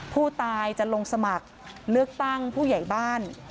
ผู้ตายจะลงสมัครเลือกตั้งผู้ใหญ่บ้าน